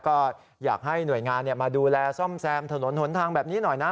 ก็อยากให้หน่วยงานมาดูแลซ่อมแซมถนนหนทางแบบนี้หน่อยนะ